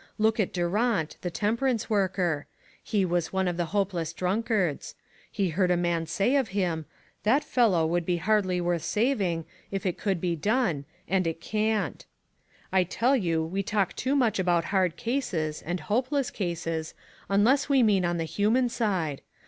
Look at Durant, the temperance worker. He was one of the hopeless drunkards. He heard a man say of him :' That fellow would be hardly worth saving, if it could be done, PARALLELS. 321 and it can't.' I tell you, we talk too much about hard cases, and hopeless cases, unless we mean on the human side.